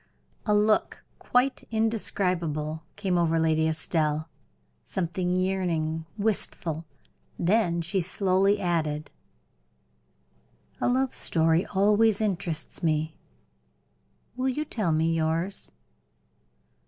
A look quite indescribable came over Lady Estelle; something yearning, wistful; then she slowly added: "A love story always interests me; will you tell me yours?"